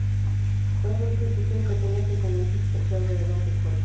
Fue en un principio un pequeño asentamiento que creció alrededor del fuerte.